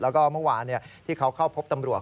แล้วก็เมื่อวานที่เขาเข้าพบตำรวจ